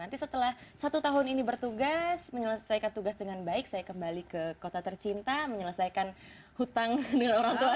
nanti setelah satu tahun ini bertugas menyelesaikan tugas dengan baik saya kembali ke kota tercinta menyelesaikan hutang dengan orang tua